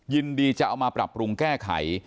ยินดีจะเอามาปรับปรุงแก้ไข